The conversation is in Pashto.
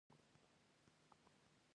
که خدای وس درکړو.